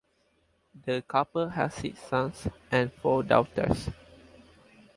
The couple had six sons and four daughters.